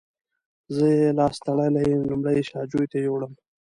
زه یې لاس تړلی لومړی شا جوی ته یووړم.